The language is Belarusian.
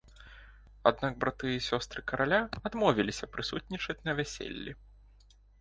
Аднак браты і сёстры караля адмовіліся прысутнічаць на вяселлі.